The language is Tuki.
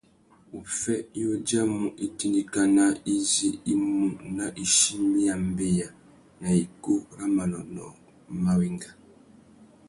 Uffê i udjamú itindikana izí i mú nà ichimbî ya mbeya na ikú râ manônōh mà wenga.